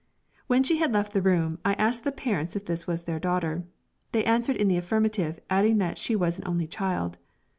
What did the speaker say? When she had left the room I asked the parents if this was their daughter. They answered in the affirmative, adding that she was an only child.